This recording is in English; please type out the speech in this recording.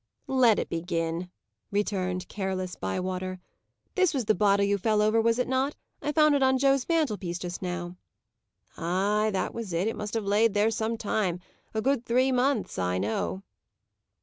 "Let it begin," returned careless Bywater. "This was the bottle you fell over, was it not? I found it on Joe's mantelpiece, just now." "Ay, that was it. It must have laid there some time. A good three months, I know."